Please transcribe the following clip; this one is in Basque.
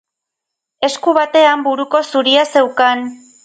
Esku batean buruko zuria zeukan.